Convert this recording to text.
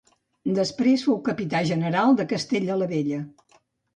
Després fou Capità General de Castella la Vella.